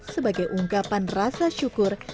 sebagai ungkapan rasa syukur